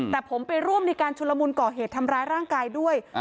แต่ผมไปร่วมในการชุลมุนก่อเหตุทำร้ายร่างกายด้วย